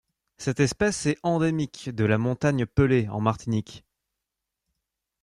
Cette espèce est endémique de la Montagne Pelée en Martinique.